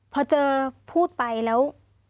พอเจอพูดไปแล้ว